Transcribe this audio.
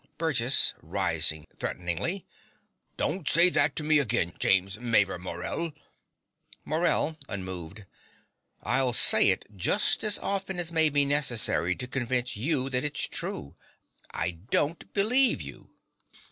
BURGESS (rising threateningly). Don't say that to me again, James Mavor Morell. MORELL (unmoved). I'll say it just as often as may be necessary to convince you that it's true. I don't believe you.